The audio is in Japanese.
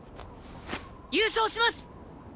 優勝します！